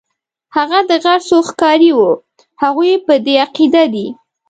هغه د غرڅو ښکاري وو، هغوی په دې عقیده دي.